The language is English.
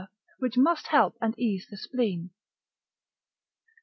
which must help and ease the spleen.